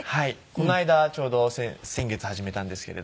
この間ちょうど先月始めたんですけれども。